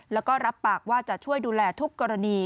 แล้วก็รับปากว่าจะช่วยดูแลทุกกรณี